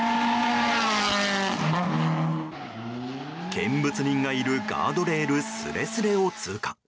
見物人がいるガードレールスレスレを通過。